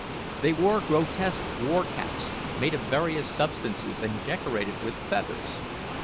They wore grotesque war caps, made of various substances and decorated with feathers.